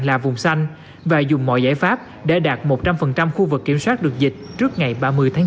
là vùng xanh và dùng mọi giải pháp để đạt một trăm linh khu vực kiểm soát được dịch trước ngày ba mươi tháng chín